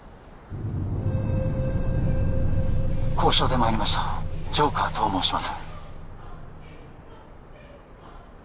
交渉で参りましたジョーカーと申します